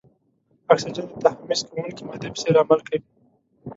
اکسیجن د تحمض کوونکې مادې په څېر عمل کوي.